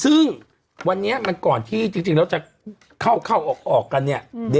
ซึ่งวันนี้มันก่อนที่จริงจริงแล้วจะเข้าเข้าออกออกกันเนี่ยอืม